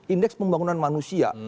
indeks pembangunan manusia